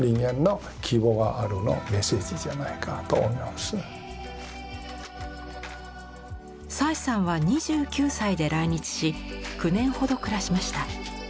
もし人間は蔡さんは２９歳で来日し９年ほど暮らしました。